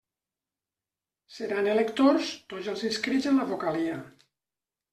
Seran electors tots els inscrits en la vocalia.